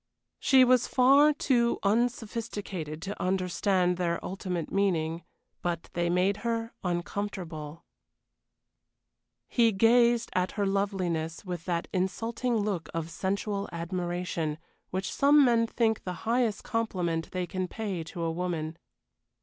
She was far too unsophisticated to understand their ultimate meaning, but they made her uncomfortable. He gazed at her loveliness with that insulting look of sensual admiration which some men think the highest compliment they can pay to a woman.